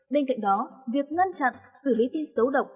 bên cạnh đó việc ngăn chặn xử lý tin xấu độc